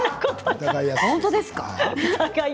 本当ですか？